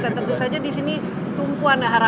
dan tentu saja di sini tumpuan harapan pemerintah